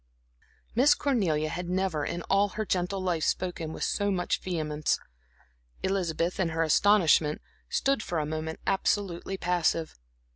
Miss Cornelia had never in all her gentle life spoken with so much vehemence. Elizabeth, in her astonishment, stood for a moment absolutely passive.